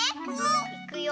いくよ。